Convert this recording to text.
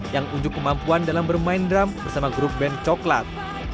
yang unjuk kemampuan dalam bermain drum bersama grup band coklat